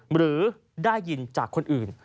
หรือได้ยินจากคนอื่น